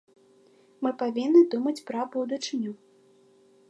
Мы павінны думаць пра будучыню.